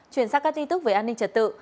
chuyển sang các tin tức về an ninh trật tự